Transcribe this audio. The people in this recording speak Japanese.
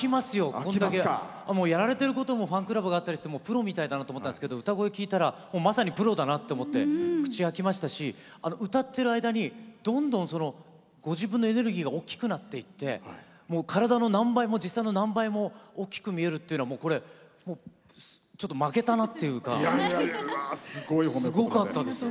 やられてることもファンクラブがあったりプロみたいだなと思ったんですけど歌声、聴いたらまさにプロだなと思って口が開きましたし歌っている間にどんどん、ご自分のエネルギーが大きくなっていって体の実際の何倍も大きく見えるというのは負けたなというかすごかったです。